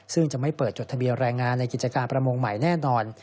ซึ่งจะไม่เปิดจดทะเบียนแรงงานในกิจการประมงใหม่แน่นอน